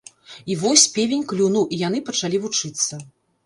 І вось, певень клюнуў, і яны пачалі вучыцца.